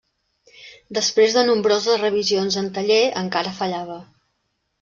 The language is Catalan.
Després de nombroses revisions en taller, encara fallava.